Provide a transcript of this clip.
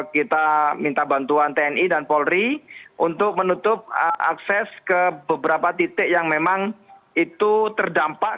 kita minta bantuan tni dan polri untuk menutup akses ke beberapa titik yang memang itu terdampak